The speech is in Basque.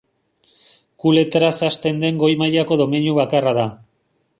Ku letraz hasten den goi mailako domeinu bakarra da.